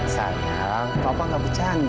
sayang papa gak bercanda